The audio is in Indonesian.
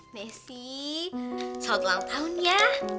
messi salam selamat tahun ya